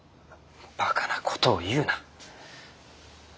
バカな事を言うな。